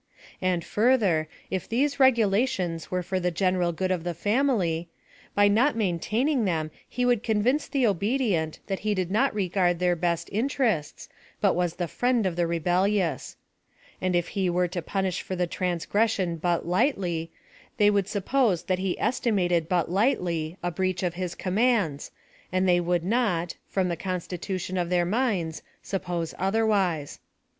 And further, if these regulation? were for the general good of the family, by noi maintaining them, he wonld convince the obedient that he did not regard their best interests, but wa& the friend of the rebellious. And if he were to punish for the transgression but lightly, they would suppose that he estimated but lightly a breach of his commands, and they could not, from the consti tution of their minds, suppose otherwise.